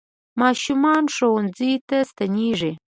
ماشومان ښوونځیو ته ستنېږي.